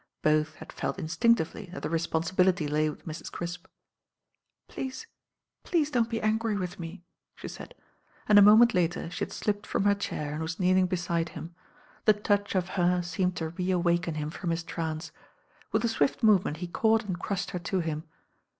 Both had felt instinctively that the responsibility lay with Mrs. Crisp. "Please — ^please don't be angry with me," she said, and a moment later she had slipped from her chair and was kneeling beside him. The touch of her seemed to reawaken him from his trance. With a swift movement he caught and crushed her to him.